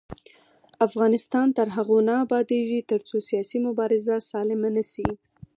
افغانستان تر هغو نه ابادیږي، ترڅو سیاسي مبارزه سالمه نشي.